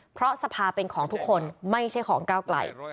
เพราะสภาเป็นของทุกคนไม่ใช่ของก้าวไกล